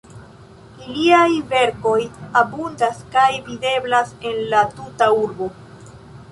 Iliaj verkoj abundas kaj videblas en la tuta urbo.